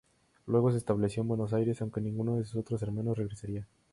Luego se estableció en Buenos Aires, aunque ninguno de sus otros hermanos regresaría.